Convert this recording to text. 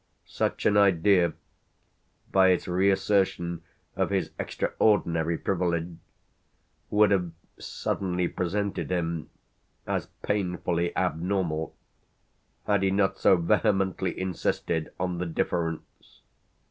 Such an idea, by its reassertion of his extraordinary privilege, would have suddenly presented him as painfully abnormal had he not so vehemently insisted on the difference.